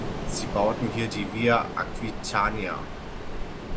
Sie bauten hier die Via Aquitania.